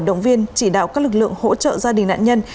động viên chỉ đạo các lực lượng hỗ trợ gia đình nạn nhân